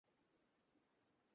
তিনি গুয়াহাটিতে উকালতি করেন।